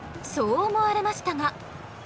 そう思われましたが。